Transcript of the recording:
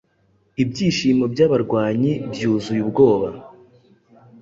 Ibyishimo byabarwanyi byuzuye ubwoba